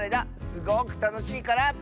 すごくたのしいから。